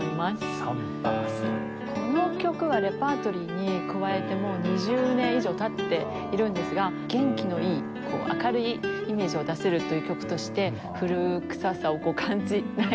この曲はレパートリーに加えてもう２０年以上経っているんですが元気のいい明るいイメージを出せるという曲として古臭さを感じない